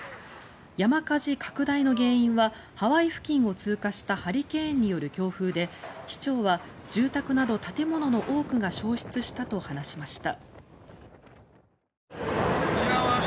山火事拡大の原因はハワイ付近を通過したハリケーンによる強風で市長は住宅など建物の多くが焼失したと話しました。